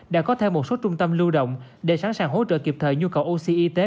đã có thêm một số trung tâm lưu động để sẵn sàng hỗ trợ kịp thời nhu cầu oxy y tế